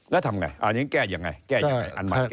แล้วทำไงอันนี้แก้อย่างไร